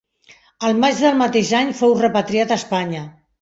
El maig del mateix any fou repatriat a Espanya.